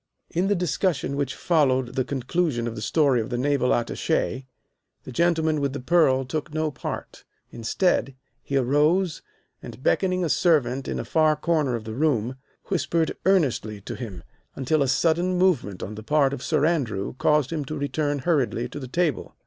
In the discussion which followed the conclusion of the story of the Naval Attache the gentleman with the pearl took no part. Instead, he arose, and, beckoning a servant to a far corner of the room, whispered earnestly to him until a sudden movement on the part of Sir Andrew caused him to return hurriedly to the table.